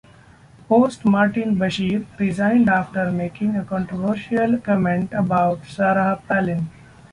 Host Martin Bashir resigned after making a controversial comment about Sarah Palin.